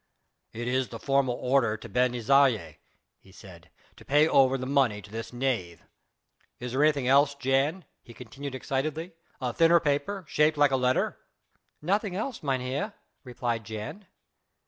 "It is the formal order to Ben Isaje," he said, "to pay over the money to this knave. Is there anything else, Jan?" he continued excitedly, "a thinner paper? shaped like a letter?" "Nothing else, mynheer," replied Jan.